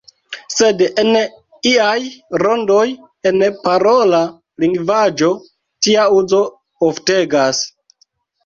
Sed en iaj rondoj, en parola lingvaĵo, tia uzo oftegas.